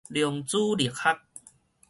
量子力學